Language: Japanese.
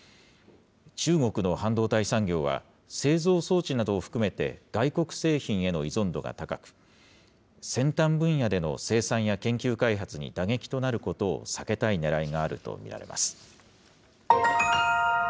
中国の半導体産業は、製造装置などを含めて外国製品への依存度が高く、先端分野での生産や研究開発に打撃となることを避けたいねらいがあると見られます。